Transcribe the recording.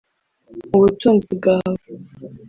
mu butunzi bwawe